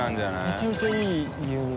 めちゃめちゃいい牛肉。